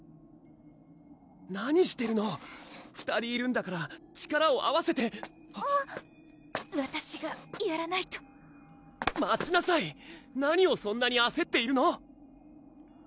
何してるの２人いるんだから力を合わせてわたしがやらないと待ちなさい何をそんなにあせっているの？